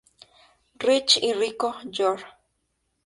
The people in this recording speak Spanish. Rich y Rico Jr.